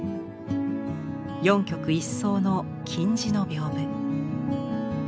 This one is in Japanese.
四曲一双の金地の屏風。